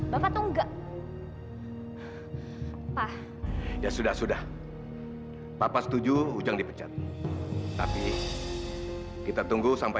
bapak tuh enggak ya sudah sudah papa setuju ujang dipecat tapi kita tunggu sampai